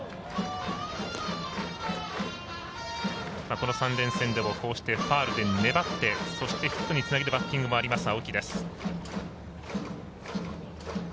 この３連戦でもファウルで粘って、そしてヒットにつなげるバッティングもあります青木です。